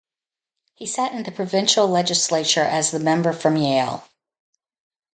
He sat in the provincial legislature as the member from Yale.